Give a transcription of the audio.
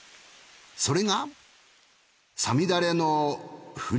それが。